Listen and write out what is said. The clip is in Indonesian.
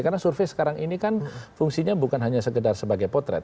karena survei sekarang ini kan fungsinya bukan hanya sekedar sebagai potret